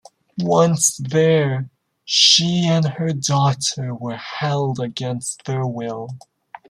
Once there, she and her daughter were held against their will.